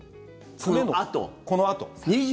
このあと。